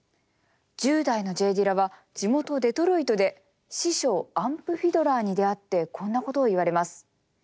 １０代のＪ・ディラが地元デトロイトで師匠アンプ・フィドラーに出会ってこんなことを言われます。